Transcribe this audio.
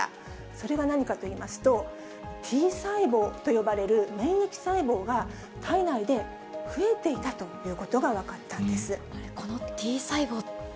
それは何かといいますと、Ｔ細胞と呼ばれる免疫細胞が、体内で増えていたということが分このＴ細胞って